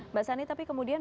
mbak sani tapi kemudian